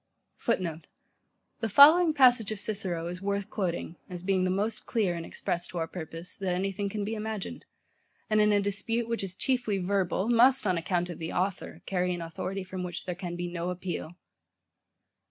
[Footnote: The following passage of Cicero is worth quoting, as being the most clear and express to our purpose, that any thing can be imagined, and, in a dispute, which is chiefly verbal, must, on account of the author, carry an authority, from which there can be no appeal.